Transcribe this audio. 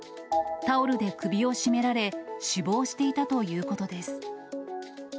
タオルで首を絞められ、死亡していたということです。